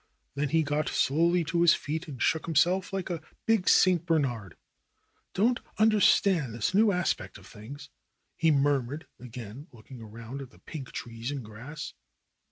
Then he got slowly to his feet and shook himself like a big St. Bernard. ^^Don't understand this new aspect of things," he mur mured, again looking around at the pink trees and grass.